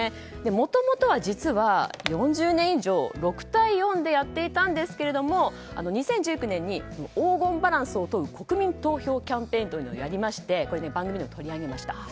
もともとは４０年以上６対４でやっていたんですけども２０１９年に黄金バランスを問う国民投票キャンペーンというのをやりまして番組でも取り上げました。